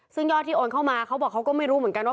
ซึ่งยอดที่โอนเข้ามาเขาบอกเขาก็ไม่รู้เหมือนกันว่า